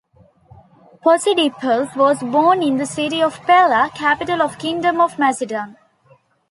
Posidippus was born in the city of Pella, capital of the kingdom of Macedon.